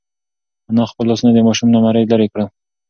انا خپل لاسونه د ماشوم له مرۍ لرې کړل.